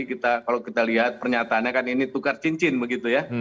kalau kita lihat pernyataannya kan ini tukar cincin begitu ya